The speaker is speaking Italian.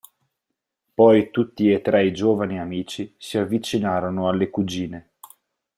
Poi tutti e tre i giovani amici si avvicinarono alle cugine.